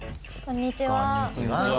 こんにちは。